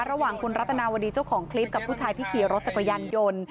ระหว่างคุณรัตนาวดีเจ้าของคลิปกับผู้ชายที่ขี่รถจักรยานยนต์